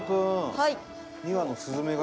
はい。